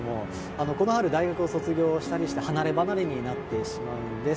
この春大学を卒業して離れ離れになってしまうんです。